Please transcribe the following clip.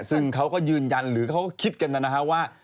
ซึ่งเขาก็ยืนยันหรือเขาก็คิดกันนะครับว่า